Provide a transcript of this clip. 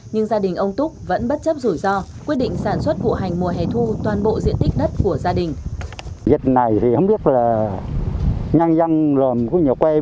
nhưng gia đình ông túc vẫn bất chấp rủi ro quyết định sản xuất vụ hành mùa hè thu toàn bộ diện tích đất của gia đình